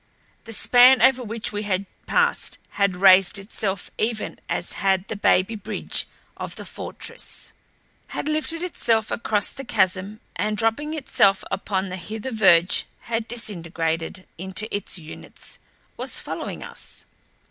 The span over which we had passed had raised itself even as had the baby bridge of the fortress; had lifted itself across the chasm and dropping itself upon the hither verge had disintegrated into its units; was following us.